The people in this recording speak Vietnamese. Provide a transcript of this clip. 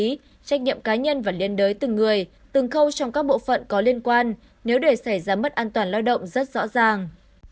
vì vậy trách nhiệm cá nhân và liên đới từng người từng khâu trong các bộ phận có liên quan nếu để xảy ra mất an toàn lao động rất rõ ràng